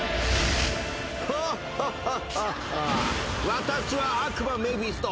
私は悪魔メフィスト。